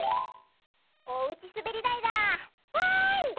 おうちすべりだいだ！わい！